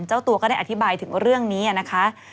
เจ้าตัวก็ได้อธิบายถึงเรื่องนี้นะคะ